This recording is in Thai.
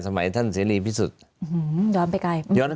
ท่านเสรีพิสุทธิ์ย้อนไปไกล